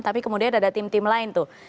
tapi kemudian ada tim tim lain tuh